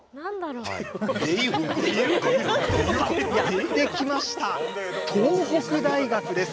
さあ、やってきました東北大学です。